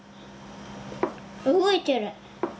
動いてる！